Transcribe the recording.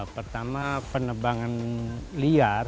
pertama penebangan liar